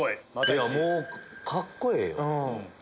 もうカッコええよ。